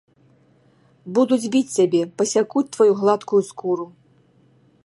Будуць біць цябе, пасякуць тваю гладкую скуру.